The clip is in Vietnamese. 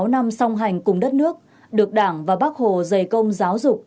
bảy mươi sáu năm song hành cùng đất nước được đảng và bắc hồ dày công giáo dục